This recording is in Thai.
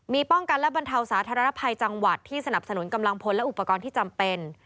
มีป้องกันและบรรเทาสาธารณภัยจังหวัดที่สนับสนุนกำลังพลและอุปกรณ์ที่จำเป็น